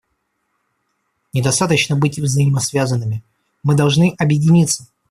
Недостаточно быть взаимосвязанными; мы должны объединиться.